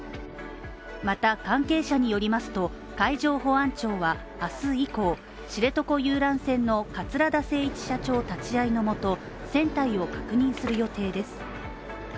また関係者によりますと、海上保安庁は明日以降、知床遊覧船の桂田精一社長立会いのもと、船体を確認する予定です。